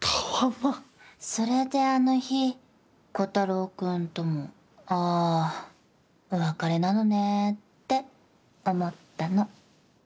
それであの日炬太郎くんとも「あぁお別れなのねぇ」って思ったの。